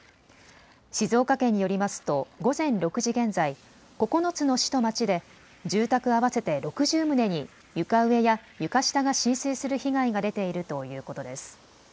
静岡県によりますと午前６時現在、９つの市と町で住宅合わせて６０棟に床上や床下が浸水する被害が出ているということです。